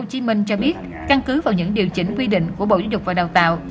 tp hcm cho biết căn cứ vào những điều chỉnh quy định của bộ giáo dục và đào tạo